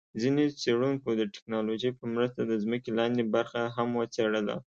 ځیني څېړونکو د ټیکنالوجۍ په مرسته د ځمکي لاندي برخه هم وڅېړله